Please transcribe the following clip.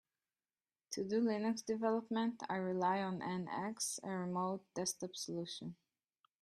To do Linux development, I rely on NX, a remote desktop solution.